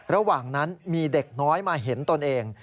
ระหว่างนั้นมีเด็กน้อยมาเห็นตนเอง